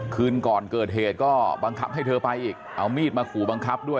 คืนก่อนเกิดเหตุก็บังคับให้เธอไปอีกเอามีดมาขู่บังคับด้วย